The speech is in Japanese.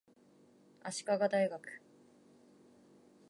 足利大学